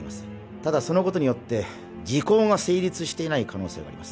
ただそのことによって時効が成立していない可能性があります